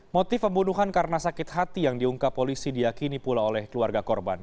motif pembunuhan karena sakit hati yang diungkap polisi diakini pula oleh keluarga korban